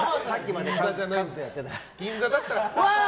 銀座だったらワー！